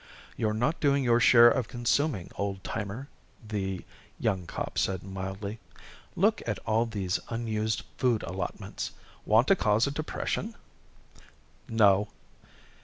"You're not doing your share of consuming, Oldtimer," the young cop said mildly. "Look at all these unused food allotments! Want to cause a depression?" "No."